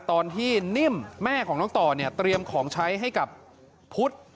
ตอนที่นิ่มแม่ของน้องต่อเนี่ยเตรียมของใช้ให้กับพุทธ